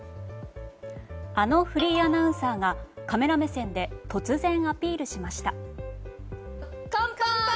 あのフリーアナウンサーがカメラ目線で突然アピールしました。